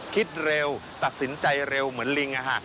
คิดเร็วตัดสินใจเร็วเหมือนลิง